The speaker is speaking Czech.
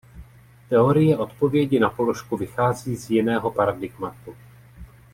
Teorie odpovědi na položku vychází z jiného paradigmatu.